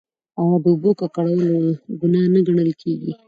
آیا د اوبو ککړول ګناه نه ګڼل کیږي؟